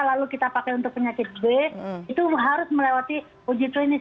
lalu kita pakai untuk penyakit b itu harus melewati uji klinis